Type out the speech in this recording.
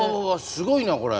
すごいなこれ。